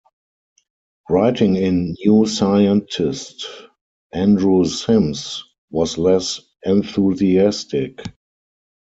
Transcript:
Writing in New Scientist, Andrew Simms was less enthusiastic.